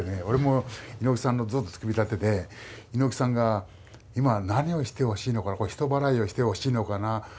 俺も猪木さんのずっと付き人やってて猪木さんが今何をしてほしいのかな人払いをしてほしいのかな？